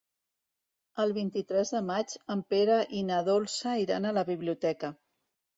El vint-i-tres de maig en Pere i na Dolça iran a la biblioteca.